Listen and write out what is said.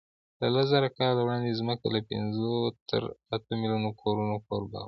له لسزره کاله وړاندې ځمکه له پینځو تر اتو میلیونو کورونو کوربه وه.